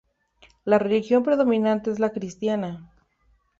La religión predominante es la cristiana.